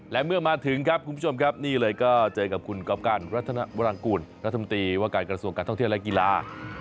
และเมื่อมาถึงครับคุณผู้ชมครับนี่เลยก็เจอกับคุณกรอบการรัฐนาวรังกูลรัฐมนตรีว่าการกระทรวงการท่องเที่ยวและกีฬา